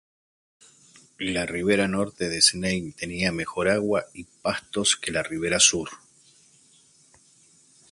La ribera norte del Snake tenía mejor agua y pastos que la ribera sur.